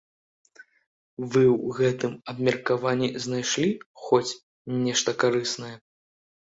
Вы ў гэтым абмеркаванні знайшлі хоць нешта карыснае?